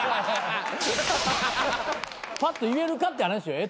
パッと言えるかって話よ干支を。